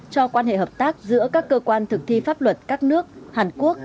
cho quan hệ hợp tác giữa các cơ quan thực thi pháp luật các nước hàn quốc